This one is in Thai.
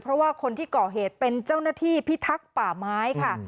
เพราะว่าคนที่ก่อเหตุเป็นเจ้าหน้าที่พิทักษ์ป่าไม้ค่ะ